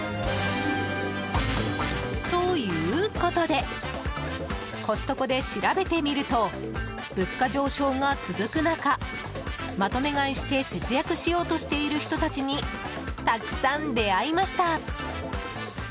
ということでコストコで調べてみると物価上昇が続く中まとめ買いして節約しようとしている人たちにたくさん出会いました。